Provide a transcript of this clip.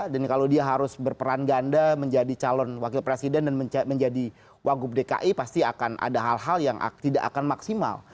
dan kalau dia harus berperan ganda menjadi calon wakil presiden dan menjadi wakil dki pasti akan ada hal hal yang tidak akan maksimal